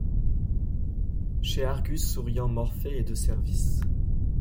Chez Argus souriant Morphée est de service.